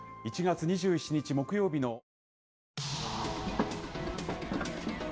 １月２７日木曜日の。